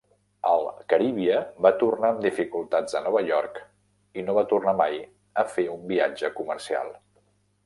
El "Caribia" va tornar amb dificultats a Nova York i no va tornar mai a fer un viatge comercial.